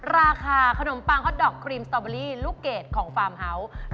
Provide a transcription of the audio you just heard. ราคาขนมปังฮอตดอกครีมสตอเบอรี่ลูกเกดของฟาร์มเฮาส์